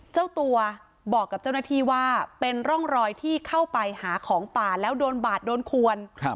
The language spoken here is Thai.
เจ้าตัวบอกกับเจ้าหน้าที่ว่าเป็นร่องรอยที่เข้าไปหาของป่าแล้วโดนบาดโดนควร